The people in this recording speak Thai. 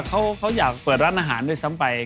เขาอยากเปิดร้านอาหารด้วยซ้ำไป